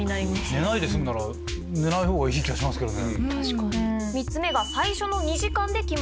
寝ないで済んだら寝ない方がいい気がしますけどね。